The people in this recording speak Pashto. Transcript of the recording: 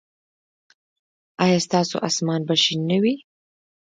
ایا ستاسو اسمان به شین نه وي؟